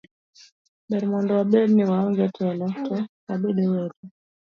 Ber mondo wabed ni waonge telo to wabed owete.